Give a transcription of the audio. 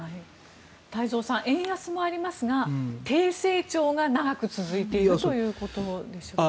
太蔵さん円安もありますが低成長が長く続いているということでしょうか。